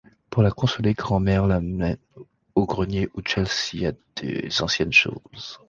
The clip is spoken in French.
Pour la consoler grand mère l'amène au grenier où Chelsea a des anciennes choses.